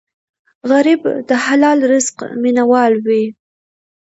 غریب د حلال رزق مینه وال وي